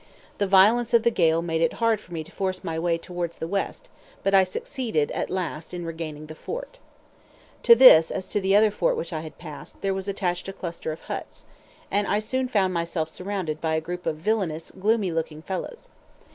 The violence of the gale made it hard for me to force my way towards the west, but I succeeded at last in regaining the fort. To this, as to the other fort which I had passed, there was attached a cluster of huts, and I soon found myself surrounded by a group of villainous, gloomy looking fellows.